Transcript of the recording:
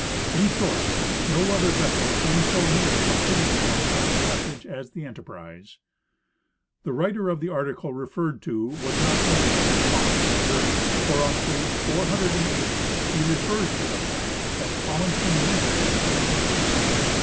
In short, no other ves sel came so near completing the Northwest Passage as the Enter prise. The writer of the article referred to was not ignorant of CoUin son's journey, for on page 480 he refers to the fact that Collin son wintered at Camden bay in 1853 4.